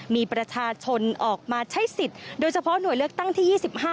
มีประชาชนออกมาใช้สิทธิ์โดยเฉพาะหน่วยเลือกตั้งที่๒๕